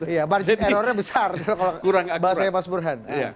iya errornya besar kalau bahasanya pak suburhan